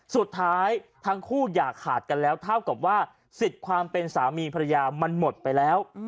สุดท้ายทั้งคู่อย่าขาดกันแล้วเท่ากับว่าสิทธิ์ความเป็นสามีภรรยามันหมดไปแล้ว